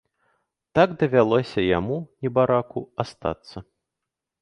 Так давялося яму, небараку, астацца.